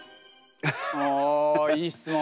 おいい質問。